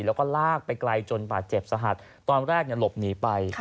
แล้วก็ลากไปไกลจนบาดเจ็บสหัสตอนแรกหลบหนีไป